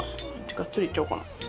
がっつりいっちゃおうかな。